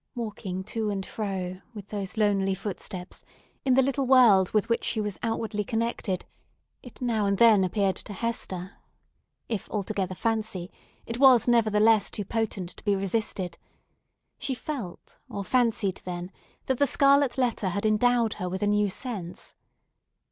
Walking to and fro, with those lonely footsteps, in the little world with which she was outwardly connected, it now and then appeared to Hester—if altogether fancy, it was nevertheless too potent to be resisted—she felt or fancied, then, that the scarlet letter had endowed her with a new sense.